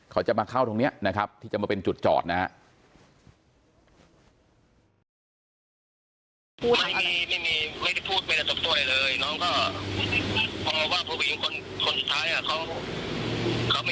เขาจะมาเข้าตรงนี้นะครับที่จะมาเป็นจุดจอดนะครับ